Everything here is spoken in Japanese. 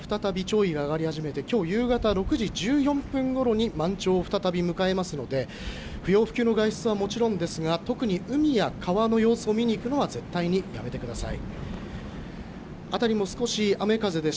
ただ昼過ぎごろから再び潮位が上がり始めてきょう夕方６時１４分ごろに満潮を再び迎えますので不要不急の外出はもちろんですが特に海や川の様子を見に行くのは絶対にやめてください。